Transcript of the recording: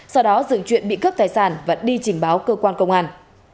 sau đó dừng chuyện bị cướp tài sản và đi trình báo cơ quan công an